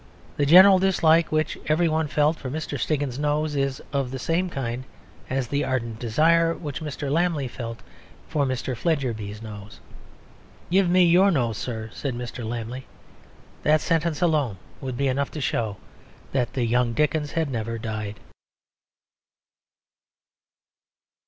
The general dislike which every one felt for Mr. Stiggins's nose is of the same kind as the ardent desire which Mr. Lammle felt for Mr. Fledgeby's nose. "Give me your nose, Sir," said Mr. Lammle. That sentence alone would be enough to show that the young Dickens had never died.